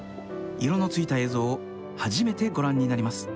色の付いた映像を初めてご覧になります。